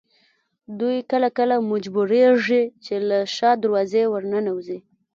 دوی کله کله مجبورېږي چې له شا دروازې ورننوځي.